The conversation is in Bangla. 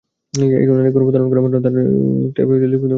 একজন নারী গর্ভধারণ করা মাত্রই তাঁর তথ্য ট্যাবে লিপিবদ্ধ করা হচ্ছে।